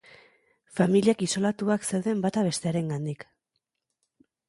Familiak isolatuak zeuden bata bestearengandik.